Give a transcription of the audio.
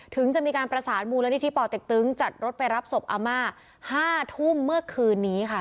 ถึงจะมีการประสานมูลนิธิป่อเต็กตึงจัดรถไปรับศพอาม่า๕ทุ่มเมื่อคืนนี้ค่ะ